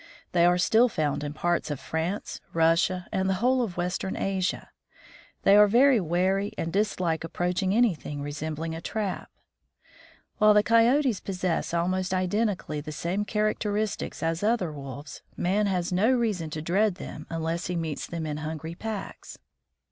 They are still found in parts of France, Russia, and the whole of western Asia. They are very wary and dislike approaching anything resembling a trap. While the Coyotes possess almost identically the same characteristics as other Wolves, man has no reason to dread them unless he meets them in hungry packs.